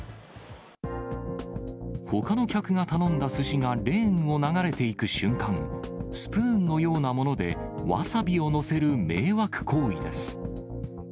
ほかの客が頼んだすしがレーンを流れていく瞬間、スプーンのようなものでわさびを載せる迷惑行為です。